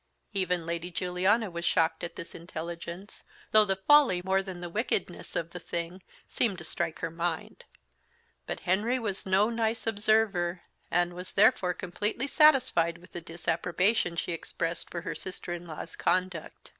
Even Lady Juliana was shocked at this intelligence, though the folly, more than the wickedness, of the thing, seemed to strike her mind; but Henry was no nice observer, and was therefore completely satisfied with the disapprobation she expressed for her sister in law's conduct.